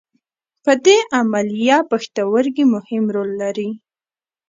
په دې عملیه پښتورګي مهم رول لري.